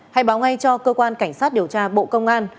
hãy báo ngay cho cơ quan cảnh sát điều tra bộ công an